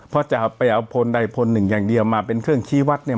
เพราะจะเอาไปเอาพลใดพลหนึ่งอย่างเดียวมาเป็นเครื่องชี้วัดเนี่ย